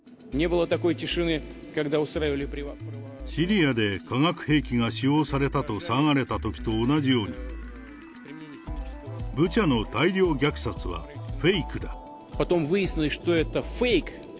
シリアで化学兵器が使用されたと騒がれたときと同じように、ブチャの大量虐殺はフェイクだ。